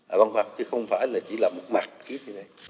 ở băng phạm chứ không phải là chỉ là một mặt kýp như thế này